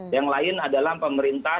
yang lain adalah pemerintah